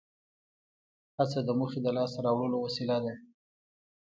هڅه د موخې د لاس ته راوړلو وسیله ده.